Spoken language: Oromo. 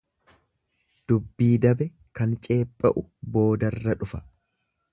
Dubbii dabe kan ceepha'u boodarra dhufa.